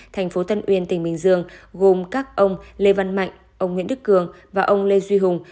thành phố tân uyên tỉnh bình dương gồm các ông lê văn mạnh ông nguyễn đức cường và ông lê duy hùng